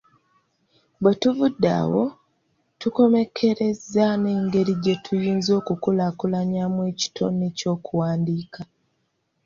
Bwe tuvudde awo tukommekkerezza n’engeri gye tuyinza okukulaakulanyaamu ekitone ky’okuwandiika.